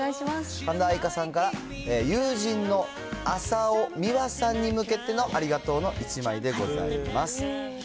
神田愛花さんから友人の浅尾美和さんに向けてのありがとうの１枚でございます。